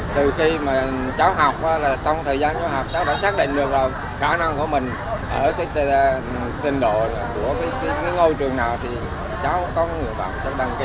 từ khi mà cháu học là trong thời gian khóa học cháu đã xác định được khả năng của mình ở cái trình độ của cái ngôi trường nào thì cháu có người bạn cháu đăng ký